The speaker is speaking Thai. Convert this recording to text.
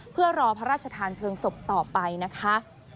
เพื่อรอพระราชทานเพลิงศพต่อไปนะคะ